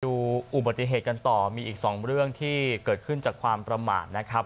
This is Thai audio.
ดูอุบัติเหตุกันต่อมีอีกสองเรื่องที่เกิดขึ้นจากความประมาทนะครับ